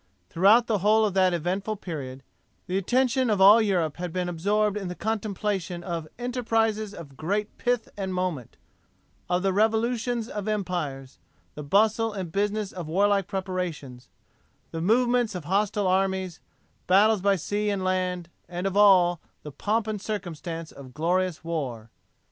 Throughout the whole of that eventful period, the attention of all Europe had been absorbed in the contemplation of 'enterprises of great pith and moment,' of the revolutions of empires the bustle and business of warlike preparations the movements of hostile armies battles by sea and land, and of all 'the pomp and circumstance of glorious war.'